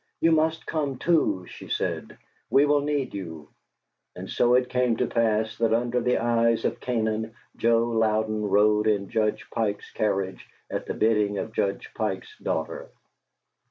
"You must come too," she said. "We will need you." And so it came to pass that under the eyes of Canaan Joe Louden rode in Judge Pike's carriage at the bidding of Judge Pike's daughter.